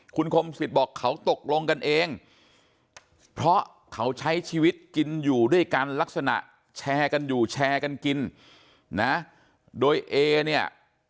คุณคมสิทธิ์บอกเขาตกลงกันเองเพราะเขาใช้ชีวิตกินอยู่ด้วยกันลักษณะแชร์กันอยู่แชร์กันกินนะโดยเอเนี่ย